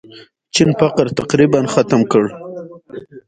چین فقر تقریباً ختم کړ.